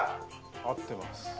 合ってます。